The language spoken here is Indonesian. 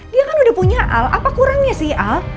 dia kan udah punya al apa kurangnya sih al